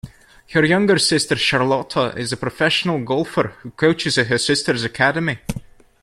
Her younger sister Charlotta is a professional golfer who coaches at her sister's academy.